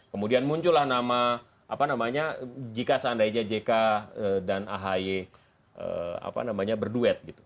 kemudian muncullah nama apa namanya jika seandainya jk dan ahi berduet